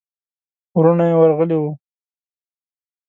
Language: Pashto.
وروڼه يې ورغلي ول.